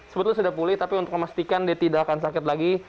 sebetulnya sudah pulih tapi untuk memastikan dia tidak akan sakit lagi